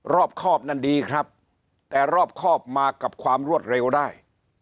รอบครอบนั้นดีครับแต่รอบครอบมากับความรวดเร็วได้